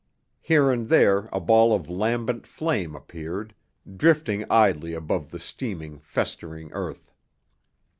Here and there a ball of lambent flame appeared, drifting idly above the steaming, festering earth.